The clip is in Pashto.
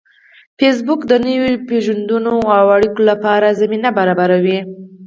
فېسبوک د نویو پیژندنو او اړیکو لپاره زمینه برابروي